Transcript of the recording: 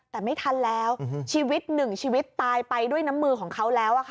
แต่ไม่ทันแล้วชีวิตหนึ่งชีวิตตายไปด้วยน้ำมือของเขาแล้ว